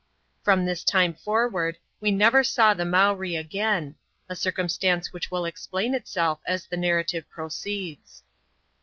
From this time forward we never saw the Mowree again, a circumstance which will explain itself as the narrative proceeds.